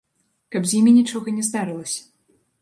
Каб з імі нічога не здарылася.